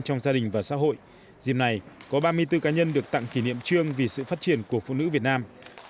trong gia đình và xã hội dìm này có ba mươi bốn cá nhân được tặng kỷ niệm trương vì sự phát triển của phụ nữ việt nam